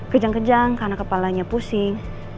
kejang kejang karena kepalanya pusing